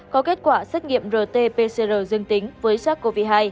có kết quả xét nghiệm rt pcr dương tính với sars cov hai